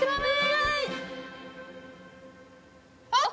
あっ。